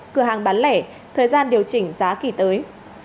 cửa hàng bán lẻ thời gian điều chỉnh giá kỳ tới